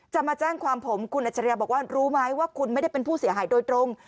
มาแจ้งความผมคุณอัจฉริยะบอกว่ารู้ไหมว่าคุณไม่ได้เป็นผู้เสียหายโดยตรง